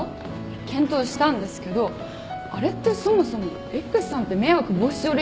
検討したんですけどあれってそもそもＸさんって迷惑防止条例違反ですか？